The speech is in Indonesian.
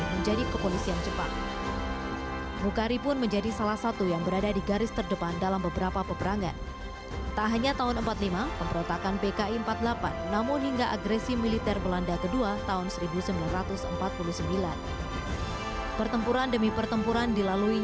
kalau kita misalnya berusaha berinovasi berusaha menemukan penemuan penemuan baru